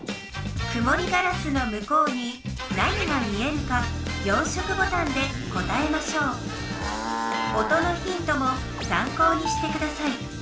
くもりガラスの向こうに何が見えるか４色ボタンで答えましょう音のヒントもさん考にしてください。